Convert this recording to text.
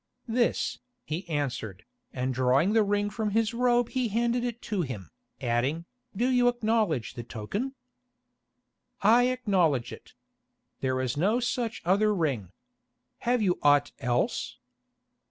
"This," he answered, and drawing the ring from his robe he handed it to him, adding, "Do you acknowledge the token?" "I acknowledge it. There is no such other ring. Have you aught else?"